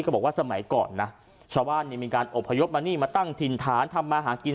บอกว่าสมัยก่อนนะชาวบ้านมีการอบพยพมานี่มาตั้งถิ่นฐานทำมาหากิน